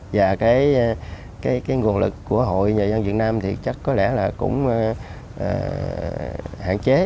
và cái nguồn lực của hội nhà văn việt nam thì chắc có lẽ là cũng hạn chế